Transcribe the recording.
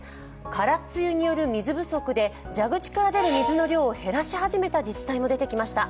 空梅雨による水不足で蛇口から出る水の量を減らし始めた自治体も出てきました。